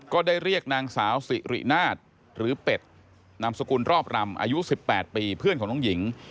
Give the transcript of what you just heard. ก็ได้เรียกนางสาวสิรินาฏหรือเป็ดนามสกุลรอบรำอายุ๑๘ปีเพื่อนของน้องหญิง